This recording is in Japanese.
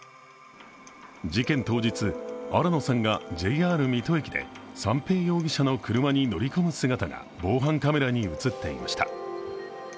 事件当日、新野さんがＪＲ水戸駅で三瓶容疑者の車に乗り込む姿が防犯カメラに映っていました。